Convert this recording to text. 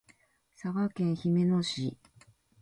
佐賀県嬉野市